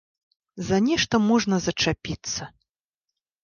За нешта можна зачапіцца.